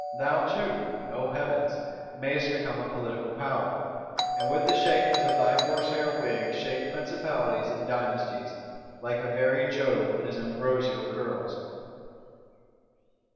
Thou too (O heavens!) mayest become a Political Power; and with the shakings of thy horse hair wig shake principalities and dynasties, like a very Jove with his ambrosial curls!